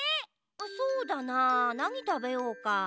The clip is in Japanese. そうだななにたべようか？